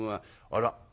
あら？